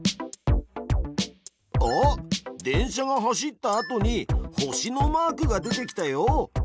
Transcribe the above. あっ電車が走ったあとに星のマークが出てきたよ。